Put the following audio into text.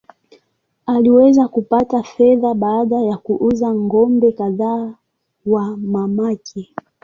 Aliweza kupata fedha baada ya kuuza ng’ombe kadhaa wa mamake.